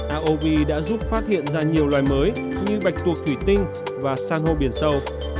aov đã giúp phát hiện ra nhiều loài mới như bạch tuộc thủy tinh và san hô biển sâu